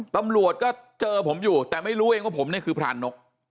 ตำรวจก็เจอผมอยู่แต่ไม่รู้เองว่าผมเนี่ยคือพรานนก